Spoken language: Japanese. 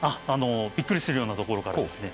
びっくりするようなところからですね。